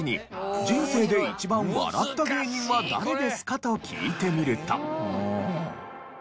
人生で一番笑った芸人は誰ですか？と聞いてみると。